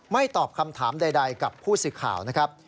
ไม่ตอบคำถามใดกับผู้สิทธิ์ข่าวนะครับ